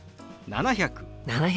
７００。